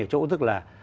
ở chỗ tức là